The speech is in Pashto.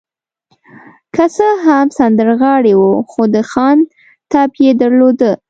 که څه هم سندرغاړی و، خو د خان طبع يې درلوده.